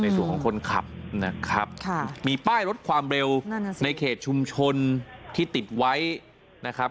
ของคนขับนะครับมีป้ายลดความเร็วในเขตชุมชนที่ติดไว้นะครับ